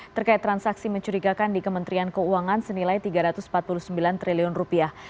terkait transaksi mencurigakan di kementerian keuangan senilai tiga ratus empat puluh sembilan triliun rupiah